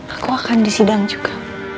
aku akan disidang juga